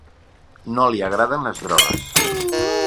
No li agraden les drogues.